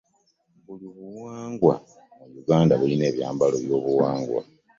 Buli buwangwa mu Uganda bulina ekyambalo ekyobuwangwa.